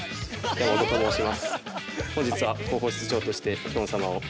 山本と申します。